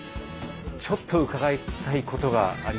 ちょっと伺いたいことがありまして。